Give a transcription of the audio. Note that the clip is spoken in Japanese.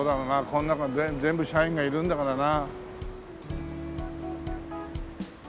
この中に全部社員がいるんだからな。